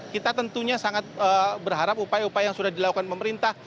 kita tentunya sangat berharap upaya upaya yang sudah dilakukan pemerintah